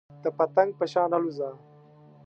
د پتنګ په شان الوځه .